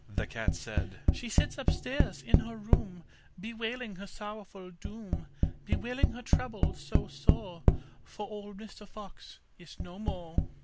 The cat said: 'She sits upstairs in her room, Bewailing her sorrowful doom, Bewailing her trouble so sore, For old Mr Fox is no more.